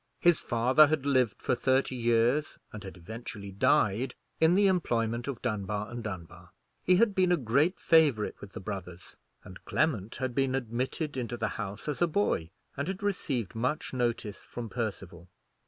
His father had lived for thirty years, and had eventually died, in the employment of Dunbar and Dunbar. He had been a great favourite with the brothers; and Clement had been admitted into the house as a boy, and had received much notice from Percival.